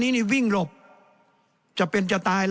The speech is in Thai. แสดงว่าความทุกข์มันไม่ได้ทุกข์เฉพาะชาวบ้านด้วยนะ